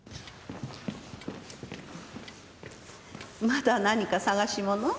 まだ何か探し物？